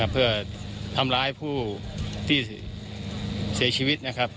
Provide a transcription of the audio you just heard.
เพื่อทำร้ายผู้ที่เสียชีวิตนะครับ